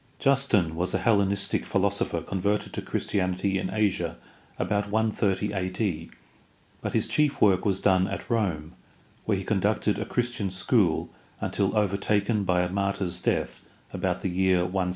Justin was a Hellenistic philosopher converted to Chris tianity in Asia about 130 a.d., but his chief work was done at Rome, where he conducted a Christian school until over taken by a martyr's death about the year 165.